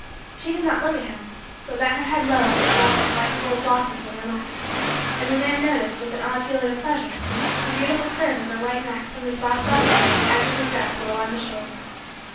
She did not look at him but bent her head low over the wealth of white and gold blossoms in her lap; and the man noticed, with an odd feeling of pleasure, the beautiful curve of her white neck from the soft brown hair to the edge of her dress low on the shoulder.